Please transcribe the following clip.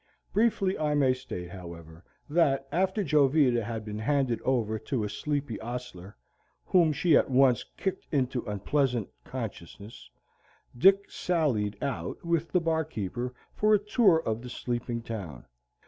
Briefly I may state, however, that after Jovita had been handed over to a sleepy ostler, whom she at once kicked into unpleasant consciousness, Dick sallied out with the bar keeper for a tour of the sleeping town.